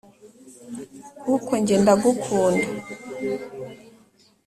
kuko njye ndagukunda